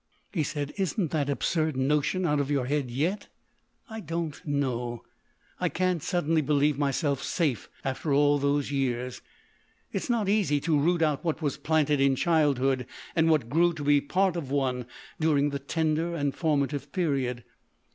He said: "Isn't that absurd notion out of your head yet?" "I don't know ... I can't suddenly believe myself safe after all those years. It is not easy to root out what was planted in childhood and what grew to be part of one during the tender and formative period....